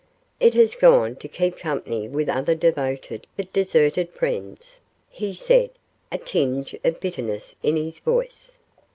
"It has gone to keep company with other devoted but deserted friends," he said, a tinge of bitterness in his voice.